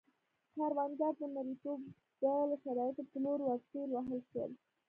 کروندګر د مریتوب ډوله شرایطو په لور ورټېل وهل شول.